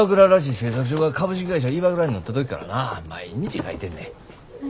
製作所が株式会社ＩＷＡＫＵＲＡになった時からな毎日書いてんね。